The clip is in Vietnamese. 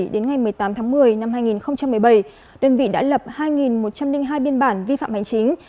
đến ngày một mươi tám tháng một mươi năm hai nghìn một mươi bảy đơn vị đã lập hai một trăm linh hai biên bản vi phạm hành chính